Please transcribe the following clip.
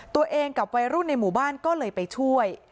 ตัวเองกับวัยรุ่นในหมู่บ้านก็เลยไปช่วย